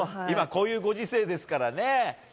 今、こういうご時世ですからね。